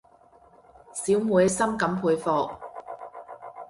小妹深感佩服